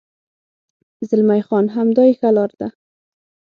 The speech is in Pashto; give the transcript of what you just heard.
زلمی خان: همدا یې ښه لار ده.